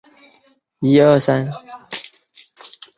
加拿大最大的火山位于这个地区。